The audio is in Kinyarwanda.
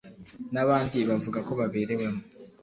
n abandi bavuga ko baberewemo